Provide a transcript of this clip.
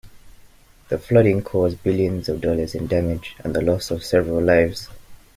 The flooding caused billions of dollars in damage and the loss of several lives.